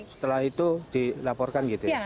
setelah itu dilaporkan gitu ya